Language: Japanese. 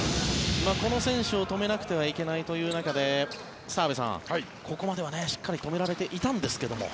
この選手を止めなくてはいけないという中で澤部さん、ここまではしっかり止められていたんですけども。